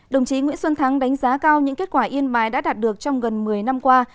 đồng chí nguyễn xuân thắng đánh giá cao những kết quả yên bái đã đạt được trong gần một mươi năm qua